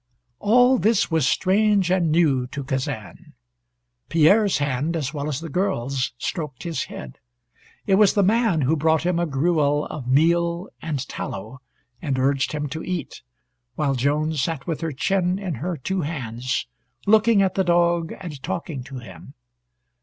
All this Was strange and new to Kazan. Pierre's hand, as well as the girl's, stroked his head. It was the man who brought him a gruel of meal and tallow, and urged him to eat, while Joan sat with her chin in her two hands, looking at the dog, and talking to him.